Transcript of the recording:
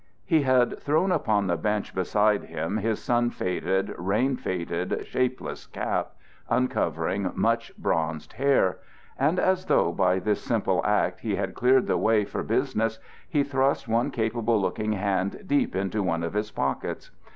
He had thrown upon the bench beside him his sun faded, rain faded, shapeless cap, uncovering much bronzed hair; and as though by this simple act he had cleared the way for business, he thrust one capable looking hand deep into one of his pockets.